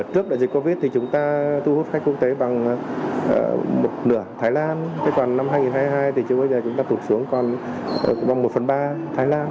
còn một nửa thái lan còn năm hai nghìn hai mươi hai thì chưa bao giờ chúng ta thuộc xuống còn một phần ba thái lan